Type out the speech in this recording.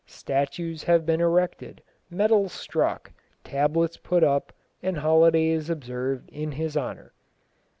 Statues have been erected, medals struck, tablets put up, and holidays observed in his honour.